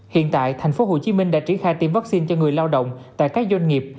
hiện tại tp hcm đã triển khai tiêm vaccine cho người lao động tại các doanh nghiệp